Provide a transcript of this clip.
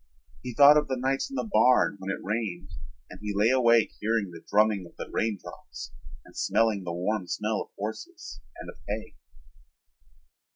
He thought of the nights in the barn when it rained and he lay awake hearing the drumming of the raindrops and smelling the warm smell of horses and of hay.